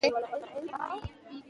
ډاکټره نتیجه ورکوي.